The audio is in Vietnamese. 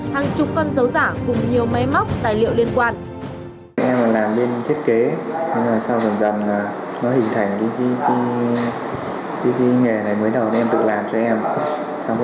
hàng chục con dấu giả cùng nhiều máy móc